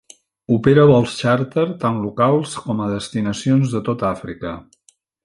Opera vols xàrter tant locals com a destinacions de tot l'Àfrica.